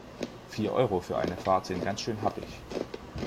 Vier Euro für eine Fahrt sind ganz schön happig.